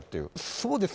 そうですね。